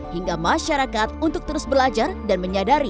hingga masyarakat untuk terus belajar dan menyadari tentang perlunya catatan banjir